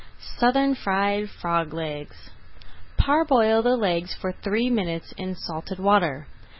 SOUTHERN FRIED FROG LEGS Parboil the legs for three minutes in salted water.